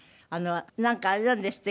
なんかあれなんですって？